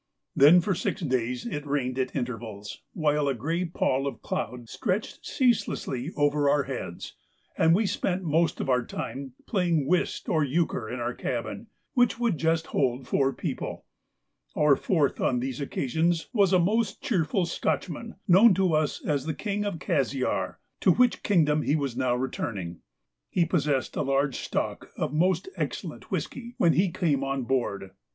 Then for six days it rained at intervals, while a grey pall of cloud stretched ceaselessly over our heads, and we spent most of our time playing whist or euchre in our cabin, which would just hold four people. Our fourth on these occasions was a most cheerful Scotchman, known to us as the King of Cassiar, to which kingdom he was now returning. He possessed a large stock of most excellent whisky when he came on board.